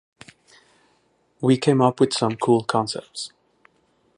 We came up with some cool concepts.